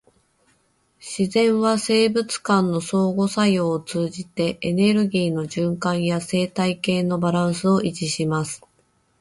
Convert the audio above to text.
自然は生物間の相互作用を通じて、エネルギーの循環や生態系のバランスを維持します。